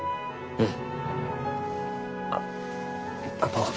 うん。